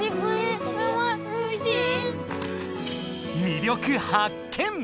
魅力発見！